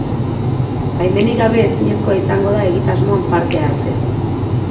Baimenik gabe ezinezkoa izango da egitasmoan parte hartzea.